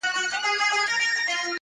چي پر هره تړه ورسو زموږ برى دئ،